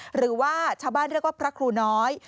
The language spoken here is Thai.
หรือว่าชาวบ้านเรียกว่าพระครูน้อย